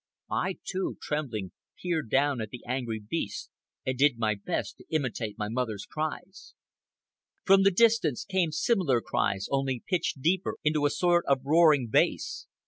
I, too, trembling, peered down at the angry beasts and did my best to imitate my mother's cries. From the distance came similar cries, only pitched deeper, into a sort of roaring bass.